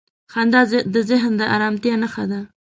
• خندا د ذهن د آرامتیا نښه ده.